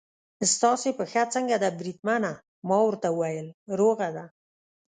ستاسې پښه څنګه ده بریدمنه؟ ما ورته وویل: روغه ده.